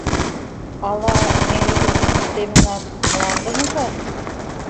— Ала, неретым ужмо семынак, мландым ужат?